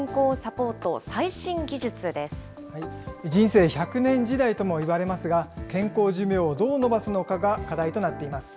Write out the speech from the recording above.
けさは、人生１００年時代ともいわれますが、健康寿命をどう延ばすのかが課題となっています。